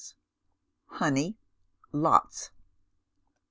Honey, lots.